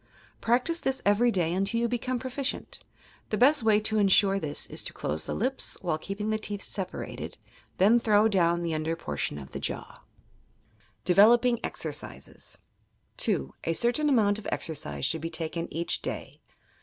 Practice this every day until you become proficient. The best way to insure this is to close the lipa, while keep ing the teeth separated ; then throw down the under por tion of the jaw. 1 HEALTH OF MEDIUMS AND PSYCHICS DEVELOPING EXERCISES 2. A certain amount of exercise should be taken each day.